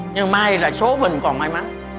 nhưng may là số mình còn may mắn